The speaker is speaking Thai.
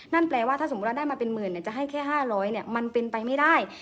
นั่นแปลว่าถ้าสมมติว่าได้มาเป็นหมื่นเนี่ยจะให้แค่ห้าร้อยเนี่ยมันเป็นไปไม่ได้